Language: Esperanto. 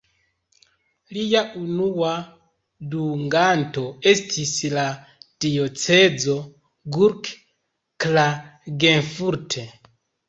Lia unua dunganto estis la diocezo Gurk-Klagenfurt.